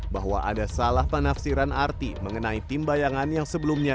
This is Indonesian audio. bahwa ada salah penafsiran arti mengenai tim bayangan yang sebelumnya